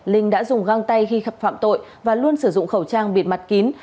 linh đã dùng găng tay khi gặp phạm tội và luôn sử dụng khẩu trang bịt mặt kín